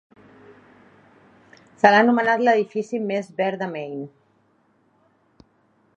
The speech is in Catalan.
Se l'ha anomenat l'edifici més verd de Maine.